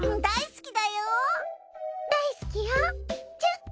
大好きだよ。